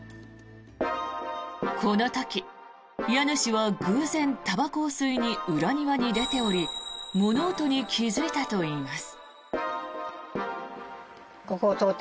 この時、家主は偶然たばこを吸いに裏庭に出ており物音に気付いたといいます。